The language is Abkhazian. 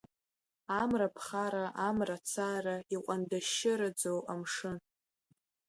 Амра ԥхара, амра цара, иҟәандашьшьыраӡоу амшын.